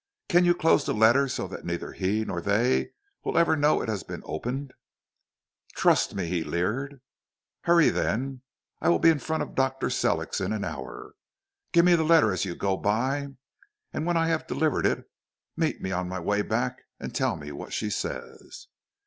Can you close the letter so that neither he nor they will ever know it has been opened?" "Trust me," he leered. "Hurry then; I will be in front of Dr. Sellick's in an hour. Give me the letter as you go by, and when I have delivered it, meet me on my way back and tell me what she says."